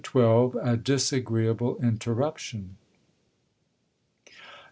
— A disagreeable interruption.